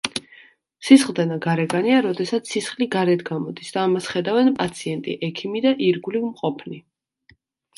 სისხლდენა გარეგანია როდესაც სისხლი გარეთ გამოდის და ამას ხედავენ პაციენტი, ექიმი და ირგვლივ მყოფნი.